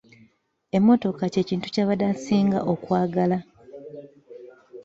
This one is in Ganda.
Emmotoka kye kintu ky'abadde asinga okwagala.